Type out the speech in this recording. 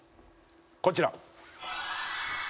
こちら。